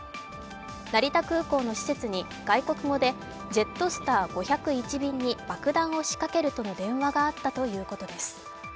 成田空港の施設に外国語でジェットスター５０１便に爆弾を仕掛けるとの電話があったということです。